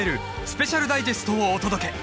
スペシャルダイジェストをお届け